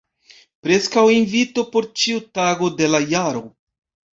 Preskaŭ invito por ĉiu tago de la jaro.